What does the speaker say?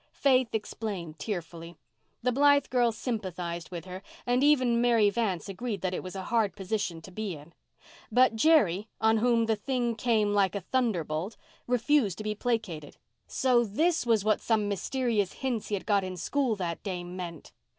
Faith explained tearfully. The Blythe girls sympathized with her, and even Mary Vance agreed that it was a hard position to be in. But Jerry, on whom the thing came like a thunderbolt, refused to be placated. So this was what some mysterious hints he had got in school that day meant!